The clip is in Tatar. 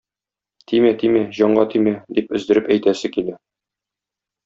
Тимә, тимә, җанга тимә! - дип өздереп әйтәсе килә.